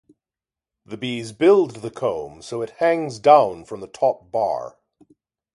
The bees build the comb so it hangs down from the top bar.